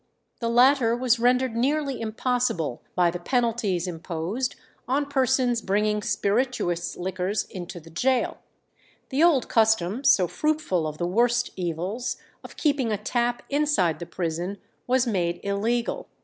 The latter was rendered nearly impossible by the penalties imposed on persons bringing spirituous liquors into the gaol. The old custom, so fruitful of the worst evils, of keeping a tap inside the prison was made illegal.